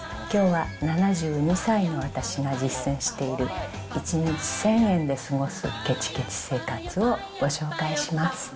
きょうは７２歳の私が実践している、１日１０００円で過ごすけちけち生活をご紹介します。